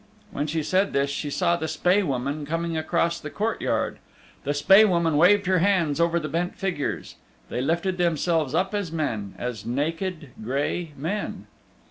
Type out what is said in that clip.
When she said this she saw the Spae Woman coming across the court yard. The Spae Woman waved her hands over the bent figures. They lifted themselves up as men as naked, gray men.